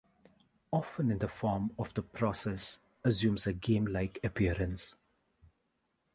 Often in the form of the process assumes a game-like appearance.